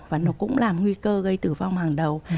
và nó cũng làm nguy cơ gây tử vong hàng đầu